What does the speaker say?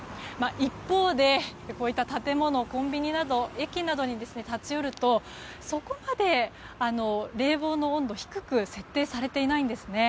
一方でこういった建物コンビニや駅などに立ち寄るとそこまで冷房の温度は低く設定されていないんですね。